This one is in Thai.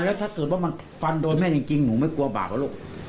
แล้วถ้าเกิดว่ามันฟันโดนแม่จริงหนูไม่กลัวบาปเหรอลูก